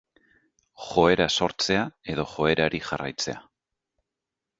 Joera sortzea edo joerari jarraitzea.